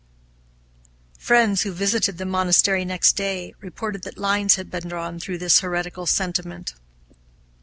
Friends, who visited the monastery next day, reported that lines had been drawn through this heretical sentiment.